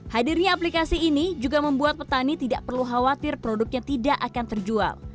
hadirnya aplikasi ini juga membuat petani tidak perlu khawatir produknya tidak akan terjual